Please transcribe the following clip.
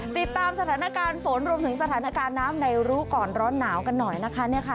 ติดตามสถานการณ์ฝนรวมถึงสถานการณ์น้ำในรู้ก่อนร้อนหนาวกันหน่อยนะคะ